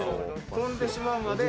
飛んでしまうまで。